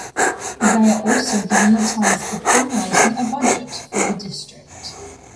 They are also given the task of formulating a budget for the district.